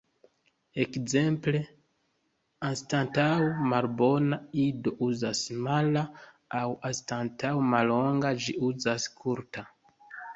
Ekzemple, anstataŭ "malbona", Ido uzas "mala", aŭ anstataŭ "mallonga" ĝi uzas "kurta".